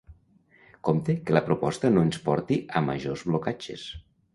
Compte que la proposta no ens porti a majors blocatges.